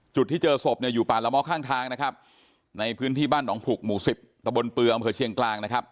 จุดที่เจอศพเนี่ยอยู่ป่าละม้อข้างทางนะครับในพื้นที่บ้านหนองผุกหมู่สิบตะบนเปลืออำเภอเชียงกลางนะครับ